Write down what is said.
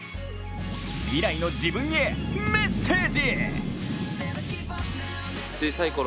未来の自分へメッセージ！